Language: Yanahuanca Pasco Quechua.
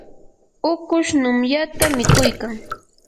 ukush numyata mikuykan.